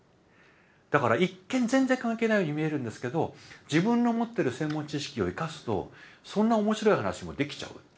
だから一見全然関係ないように見えるんですけど自分の持ってる専門知識を生かすとそんな面白い話もできちゃう。